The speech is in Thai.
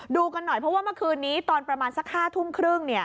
ดูกันหน่อยเพราะว่าเมื่อคืนนี้ตอนประมาณสัก๕ทุ่มครึ่ง